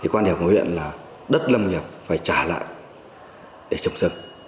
quan điểm của huyện là đất lâm nghiệp phải trả lại để trồng rừng